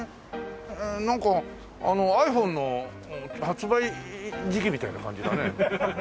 なんかｉＰｈｏｎｅの発売時期みたいな感じだね。